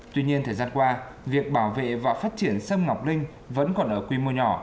tuy nhiên thời gian qua việc bảo vệ và phát triển sâm ngọc linh vẫn còn ở quy mô nhỏ